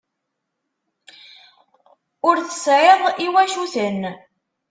Ur tesɛiḍ iwacuten.